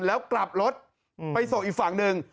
แล้วกลับรถไปส่งอีกฝั่งหนึ่ง